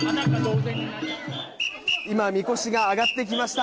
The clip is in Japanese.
今、みこしが上がってきました。